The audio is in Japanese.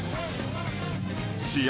試合